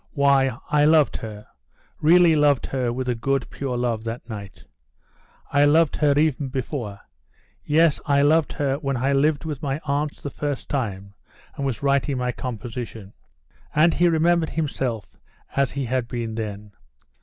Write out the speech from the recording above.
"Why, I loved her, really loved her with a good, pure love, that night; I loved her even before: yes, I loved her when I lived with my aunts the first time and was writing my composition." And he remembered himself as he had been then.